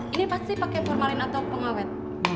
ini pasti pakai formalin atau pengawet